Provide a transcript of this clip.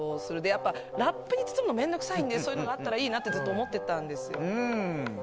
やっぱラップに包むの面倒くさいのでそういうのがあったらいいなとずっと思ってたんですよ。